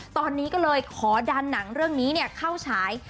ตอนนี้ก็เลยขอดันหนังเรื่องนี้เข้าฉาย